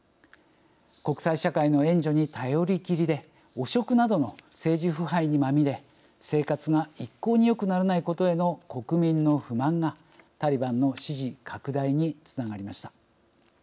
国際社会の援助に頼りきりで汚職などの政治腐敗にまみれ生活が一向によくならないことへの国民の不満がタリバンの支持拡大につながりました。